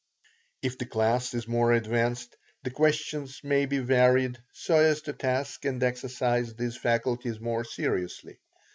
If the class is more advanced, the questions may be varied, so as to task and exercise these faculties more seriously.